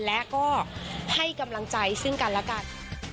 และก็ให้กำลังใจซึ่งกันแล้วกัน